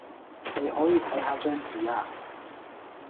你可以睇吓張紙呀